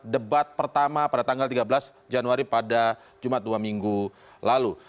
debat pertama pada tanggal tiga belas januari pada jumat dua minggu lalu